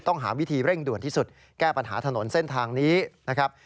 หาวิธีเร่งด่วนที่สุดแก้ปัญหาถนนเส้นทางนี้นะครับ